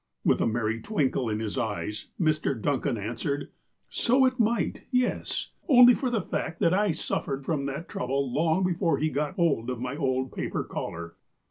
With a merry twinkle in his eyes, Mr. Duncan an swered : "So it might, yes, only for the fact that I suffered from that trouble long before he got hold of my old paper collar.